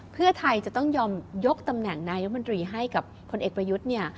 เพื่อไทยจะต้องยอมยกตำแหน่งนายมนตรีให้กับพลเอกประยุทธ์เนี่ย